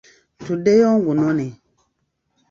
Tuddeyo ngunone.